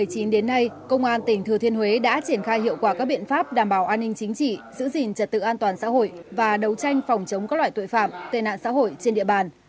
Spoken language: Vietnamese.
từ đầu năm hai nghìn một mươi chín đến nay công an tỉnh thừa thiên huế đã triển khai hiệu quả các biện pháp đảm bảo an ninh chính trị giữ gìn trật tự an toàn xã hội và đấu tranh phòng chống các loại tội phạm tên nạn xã hội trên địa bàn